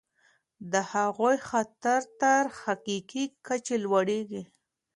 د هغوی خطر تر حقیقي کچې لوړیږي.